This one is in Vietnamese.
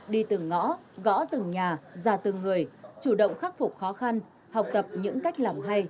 đi từng ngõ gõ từng nhà ra từng người chủ động khắc phục khó khăn học tập những cách làm hay